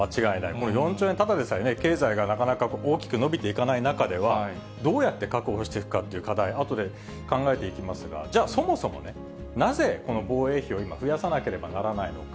これ、４兆円、ただでさえ、経済がなかなか大きく伸びていかない中では、どうやって確保していくかっていう課題、あとで考えていきますが、じゃあ、そもそもなぜ、この防衛費を今、増やさなければならないのか。